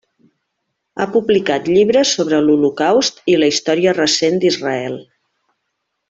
Ha publicat llibres sobre l'holocaust i la història recent d'Israel.